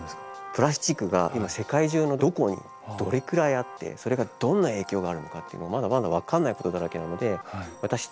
プラスチックが今世界中のどこにどれくらいあってそれがどんな影響があるのかってまだまだ分からないことだらけなので私たち